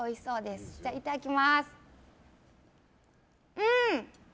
うん！